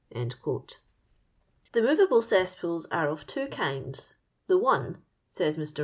|" The movable cesspools ore of two kinds; the one," says ^Ir.